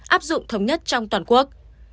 áp dụng thống nhất trong toàn quốc